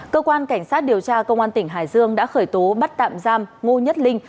cơ quan cảnh sát điều tra công an tỉnh hải dương đã khởi tố bắt tạm giam ngô nhất linh